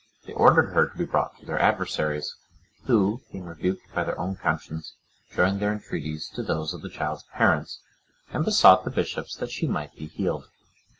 They ordered her to be brought to their adversaries, who, being rebuked by their own conscience, joined their entreaties to those of the child's parents, and besought the bishops that she might be healed.